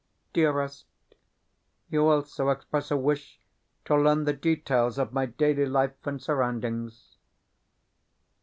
Dearest, you also express a wish to learn the details of my daily life and surroundings.